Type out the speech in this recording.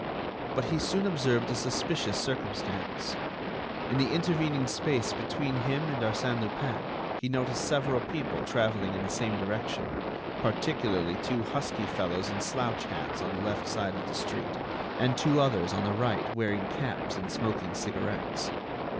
But he soon observed a suspicious circumstance. In the intervening space between him and Arsène Lupin he noticed several people traveling in the same direction, particularly two husky fellows in slouch hats on the left side of the street, and two others on the right wearing caps and smoking cigarettes.